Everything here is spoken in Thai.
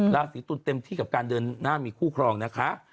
ราศีตุลเต็มที่กับการเดินหน้ามีคู่ครองนะคะ